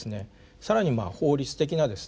更に法律的なですね